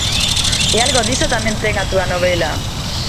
E algo diso tamén ten a túa novela.